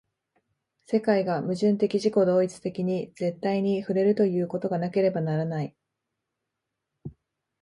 世界が矛盾的自己同一的に絶対に触れるということがなければならない。